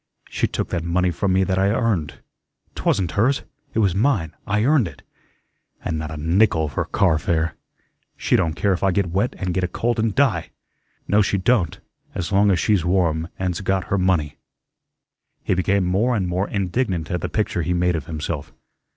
She took that money from me that I earned. 'Twasn't hers; it was mine, I earned it and not a nickel for car fare. She don't care if I get wet and get a cold and DIE. No, she don't, as long as she's warm and's got her money." He became more and more indignant at the picture he made of himself.